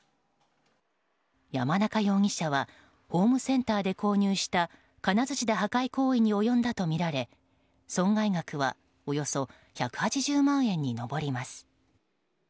山中容疑者はホームセンターで購入した金づちで破壊行為に及んだとみられ損害額はおよそ１８０万円に上ります。